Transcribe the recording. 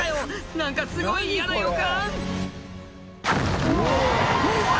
何かすごい嫌な予感うわ！